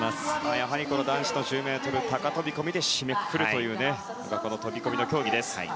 やはりこの男子の１０ｍ高飛込で締めくくるというこの飛込の競技です。